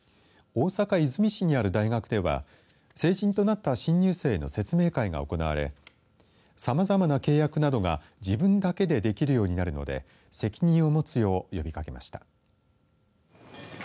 大阪、和泉市にある大学では成人となった新入生の説明会が行われさまざまな契約などが自分だけでできるようになるので責任を持つよう呼びかけました。